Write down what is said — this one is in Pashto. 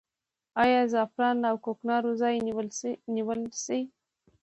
آیا زعفران د کوکنارو ځای نیولی شي؟